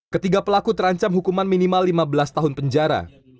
ketiga pelaku terancam hukuman minimal lima belas tahun penjara